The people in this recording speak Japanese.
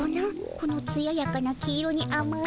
このつややかな黄色にあまいかおり。